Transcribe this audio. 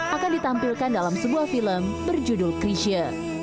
akan ditampilkan dalam sebuah film berjudul krisha